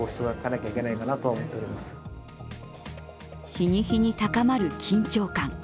日に日に高まる緊張感。